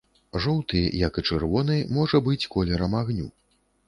Жоўты, як і чырвоны, можа быць колерам агню.